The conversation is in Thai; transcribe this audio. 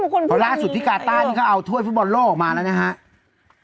เพราะล่าสุดที่กาต้านี่เขาเอาถ้วยฟุตบอลโลกออกมาแล้วนะครับ